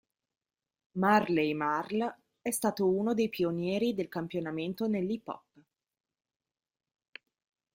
Marley Marl è stato uno dei pionieri del campionamento nell'hip hop.